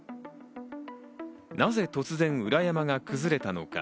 なぜ突然裏山が崩れたのか？